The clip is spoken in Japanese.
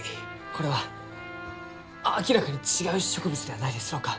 これは明らかに違う植物ではないですろうか？